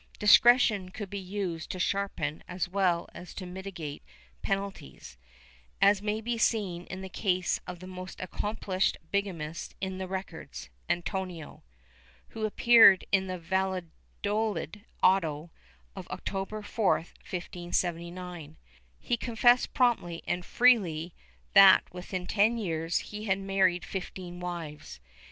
^ Discretion could be used to sharpen as well as to mitigate penalties, as may be seen in the case of the most accomplished bigamist in the records, Antonio , who appeared in the Valla dolid auto of October 4, 1579. He confessed promptly and freely that within ten years he had married fifteen wives.